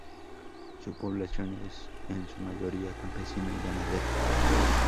Su población es en su mayoría campesina y ganadera.